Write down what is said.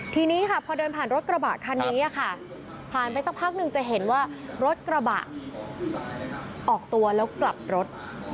ทีนี้ค่ะพอเดินผ่านรถกระบะคันนี้ค่ะผ่านไปสักพักหนึ่งจะเห็นว่ารถกระบะออกตัวแล้วกลับรถ